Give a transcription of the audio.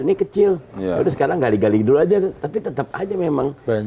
ini kecil terus sekarang gali gali dulu aja tapi tetap aja memang